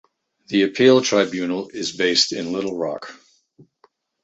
The Appeal Tribunal is based in Little Rock.